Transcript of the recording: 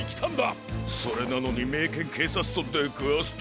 それなのにメイケンけいさつとでくわすとは。